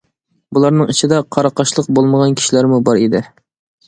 بۇلارنىڭ ئىچىدە قاراقاشلىق بولمىغان كىشىلەرمۇ بار ئىدى.